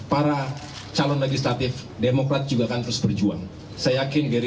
para calon legislatif demokrat juga akan terus berjuang saya yakin gerindra